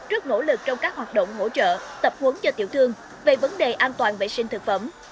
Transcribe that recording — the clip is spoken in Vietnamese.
rất nỗ lực trong các hoạt động hỗ trợ tập huấn cho tiểu thương về vấn đề an toàn vệ sinh thực phẩm